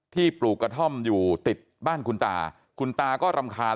ปลูกกระท่อมอยู่ติดบ้านคุณตาคุณตาก็รำคาญ